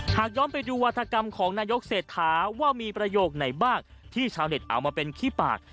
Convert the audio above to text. หากย้อนไปดูวัฒกรรมของนายกเศรษฐาว่ามีประโยคไหนบ้างที่ชาวเน็ตเอามาเป็นขี้ปาก